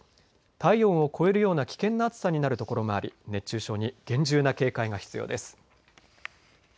体温を超えるような危険な暑さになる所もあり熱中症に厳重な警戒が必要です。